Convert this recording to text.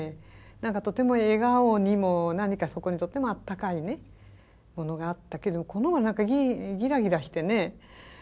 何かとても笑顔にも何かそこにとてもあったかいものがあったけどこのごろは何かギラギラしてね。